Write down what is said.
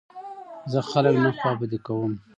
زه خلک نه خوابدي کوم.